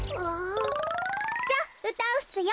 じゃあうたうっすよ。